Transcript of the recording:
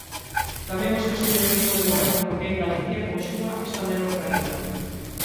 Tamén o escaso dinamismo demográfico que hai en Galicia conxuga esta menor caída.